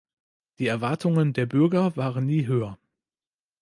Die Erwartungen der Bürger waren nie höher.